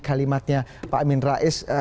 kalimatnya pak amin rais